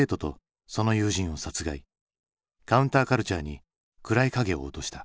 カウンターカルチャーに暗い影を落とした。